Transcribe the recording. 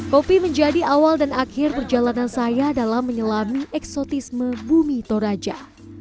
kopi menjadi awal dan akhir perjalanan saya dalam menyelami eksotisme bumi toraja